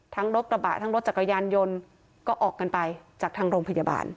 ทั้งรถกระบะทั้งรถจักรยานยนต์ก็ออกกันไปจากทางโรงพยาบาล